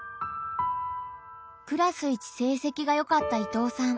クラス一成績がよかった伊藤さん。